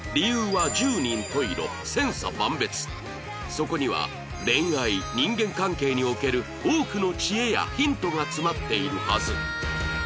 そこには恋愛人間関係における多くの知恵やヒントが詰まっているはず